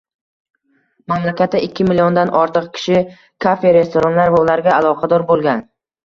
Mamlakatda ikki milliondan ortiq kishi kafe-restoranlar va ularga aloqador boʻlgan